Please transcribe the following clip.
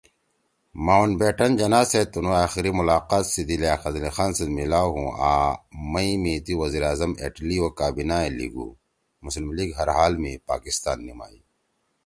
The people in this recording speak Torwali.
ماؤنٹ بیٹن جناح سیت تنُو آخری ملاقات سی دی لیاقت علی خان سیت میِلاؤ ہُو آن مئی می تی وزیر اعظم ایٹلی او کابینہ ئے لیِگُو ”مسلم لیگ ہر حال می پاکستان نیِمائی